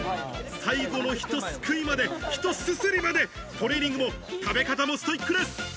最後のひとすくいまで、トレーニングも食べ方もストイックです。